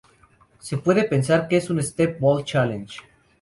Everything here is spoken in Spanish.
Se puede pensar que es un "step-ball-change".